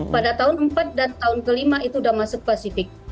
pada tahun empat dan tahun kelima itu sudah masuk pasifik